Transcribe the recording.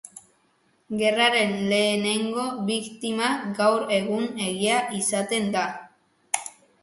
Gerraren lehenengo biktima, gaur egun, Egia izaten da.